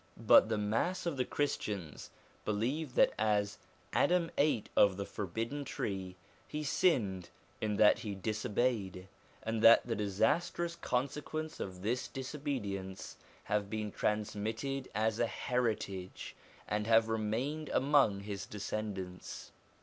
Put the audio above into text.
But the mass of the Christians believe that as Adam ate of the forbidden tree, he sinned in that he dis obeyed, and that the disastrous consequence of this disobedience have been transmitted as a heritage, and have remained among his descendants.